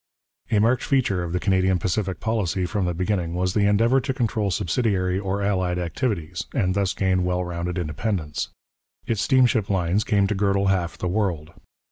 [Illustration: Canadian Pacific Railway, 1914] A marked feature of the Canadian Pacific policy from the beginning was the endeavour to control subsidiary or allied activities, and thus gain well rounded independence. Its steamship lines came to girdle half the world.